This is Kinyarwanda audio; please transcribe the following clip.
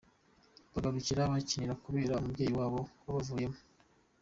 bagaturika bakarira kubera umubyeyi wabo ubavuyemo.